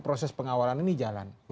proses pengawalan ini jalan